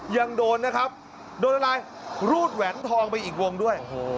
ยังโดนนะครับโดนอะไรรูดแหวนทองไปอีกวงด้วย